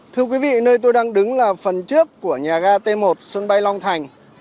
thưa quý vị nơi tôi đang đứng là phần trước của nhà ga t một sân bay long thành